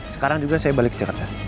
sekarang juga saya balik ke jakarta